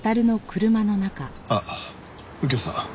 あっ右京さん？